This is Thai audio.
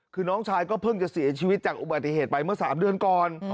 คือน้องชายก็เพิ่งจะเสียชีวิตจากอุบัติเหตุไปเมื่อ๓เดือนก่อน